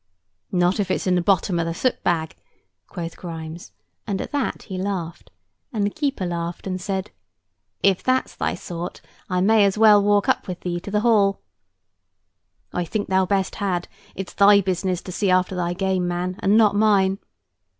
"Not if it's in the bottom of the soot bag," quoth Grimes, and at that he laughed; and the keeper laughed and said: "If that's thy sort, I may as well walk up with thee to the hall." "I think thou best had. It's thy business to see after thy game, man, and not mine."